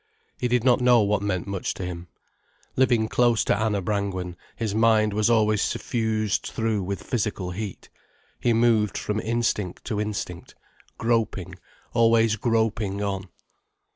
He did not know what meant much to him. Living close to Anna Brangwen, his mind was always suffused through with physical heat, he moved from instinct to instinct, groping, always groping on.